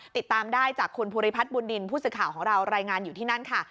ติดตามได้จากคุณภูริพัฒน์บุญนินทร์ผู้สื่อข่าวของเรารายงานอยู่ที่นั่นค่ะ